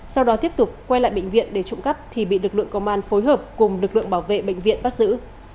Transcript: sau đó tiếp tục quay lại bệnh viện để trụng cắp thì bị lực lượng công an phối hợp cùng lực lượng bảo vệ bệnh viện bắt giữ